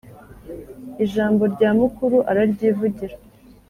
• ijambo rya mukuru araryivugira